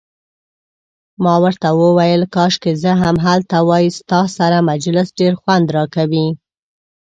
ما ورته وویل: کاشکي زه هم هلته وای، ستا سره مجلس ډیر خوند راکوي.